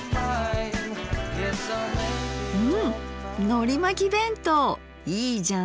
うんのりまき弁当いいじゃん。